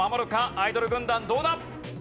アイドル軍団どうだ？